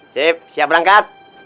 sip siap berangkat